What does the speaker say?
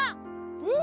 うん！